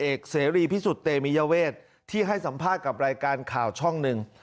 เอกเสียรีผิดสุดเตมีเยาเวทย์ที่ให้สัมภาษณ์กับรายกานข่าวช่องหนึ่ง